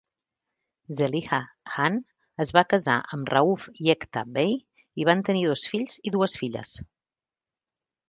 Zeliha Han es va casar amb Rauf Yekta Bey i van tenir dos fills i dues filles.